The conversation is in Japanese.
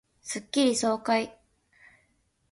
スッキリ爽快